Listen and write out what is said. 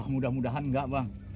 mudah mudahan enggak bang